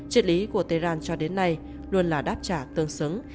triết lý của tehran cho đến nay luôn là đáp trả tương xứng